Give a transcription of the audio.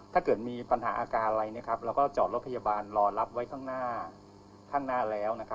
ถ้าเกิดมีปัญหาอาการอะไรเราก็จอดรถพยาบาลรอรับไว้ข้างหน้าข้างหน้าแล้ว